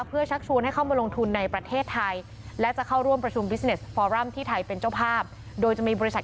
เพื่อชักชวนให้เข้ามาลงทุนในประเทศไทย